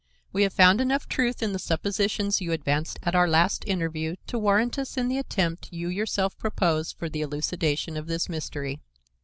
We have found enough truth in the suppositions you advanced at our last interview to warrant us in the attempt you yourself proposed for the elucidation of this mystery.